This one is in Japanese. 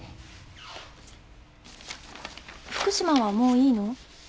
福島はもういいの？